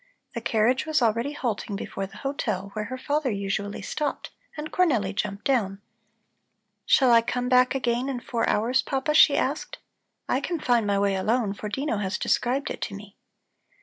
The carriage was already halting before the hotel where her father usually stopped, and Cornelli jumped down. "Shall I come back again in four hours, Papa?" she asked. "I can find my way alone, for Dino has described it to me."